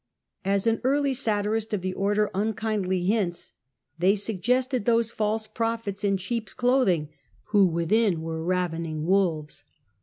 As an early satirist of the Order unkindly hints, they suggested those false prophets in sheep's clothing, who within were ravening wolves.